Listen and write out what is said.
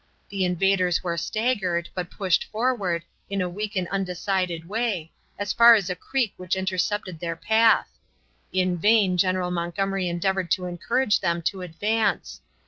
The invaders were staggered, but pushed forward, in a weak and undecided way, as far as a creek which intercepted their path. In vain General Montgomery endeavored to encourage them to advance.